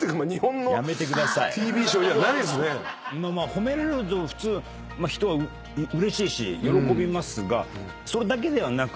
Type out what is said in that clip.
褒められると普通人はうれしいし喜びますがそれだけではなく。